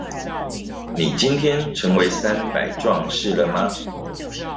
你今天成為三百壯士了嗎？